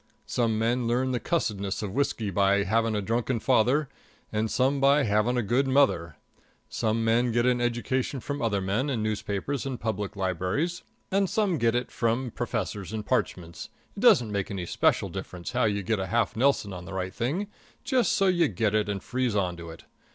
Some men learn the cussedness of whiskey by having a drunken father; and some by having a good mother. Some men get an education from other men and newspapers and public libraries; and some get it from professors and parchments it doesn't make any special difference how you get a half nelson on the right thing, just so you get it and freeze on to it.